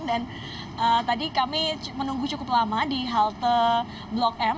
dan tadi kami menunggu cukup lama di halte blok m